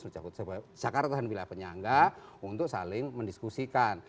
jakarta dan wilayah penyangga untuk saling mendiskusikan